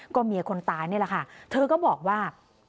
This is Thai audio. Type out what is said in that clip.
เมียคนตายนี่แหละค่ะเธอก็บอกว่า